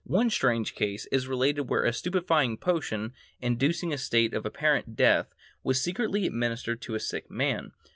One strange case is related where a stupefying potion, inducing a state of apparent death, was secretly administered to a sick man.